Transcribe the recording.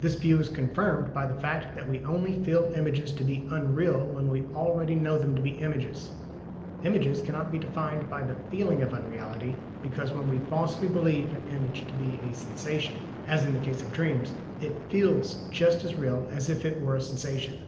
This view is confirmed by the fact that we only feel images to be "unreal" when we already know them to be images. Images cannot be defined by the FEELING of unreality, because when we falsely believe an image to be a sensation, as in the case of dreams, it FEELS just as real as if it were a sensation.